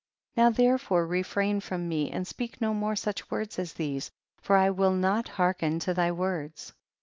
Now therefore refrain from me, and speak no more such words as these, for I will not hearken to thy words.